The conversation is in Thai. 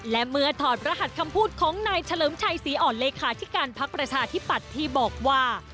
และเมื่อถอดรหัสคำพูดของนายเฉลิมชัยศรีอ่อนเลขาธิการพักประชาธิปัตย์ที่บอกว่า